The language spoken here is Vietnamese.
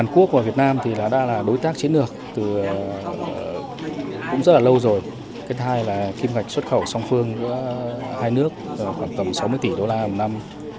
cũng rất là lâu rồi cái thứ hai là kim gạch xuất khẩu song phương của hai nước khoảng tầm sáu mươi tỷ đô la một năm